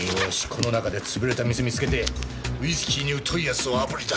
この中で潰れた店見つけてウイスキーに疎い奴をあぶり出す！